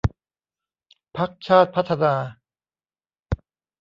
พรรคชาติพัฒนา